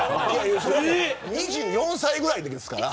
２４歳ぐらいのときですから。